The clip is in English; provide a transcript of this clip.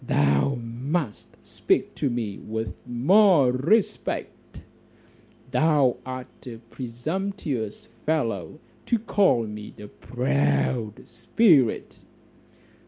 "Thou must speak to me with more respect; thou art a presumptuous fellow to call me a proud spirit."